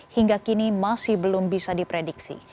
hingga kini masih belum bisa diprediksi